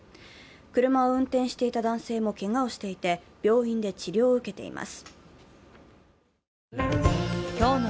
車を運転していた男性もけがをしていて病院で治療を受けています。